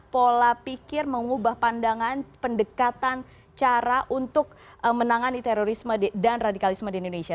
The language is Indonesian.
pola pikir mengubah pandangan pendekatan cara untuk menangani terorisme dan radikalisme di indonesia